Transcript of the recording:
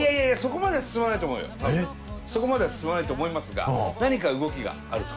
そこまでは進まないと思いますが何か動きがあると。